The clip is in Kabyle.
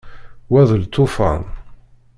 Wa d lṭufan.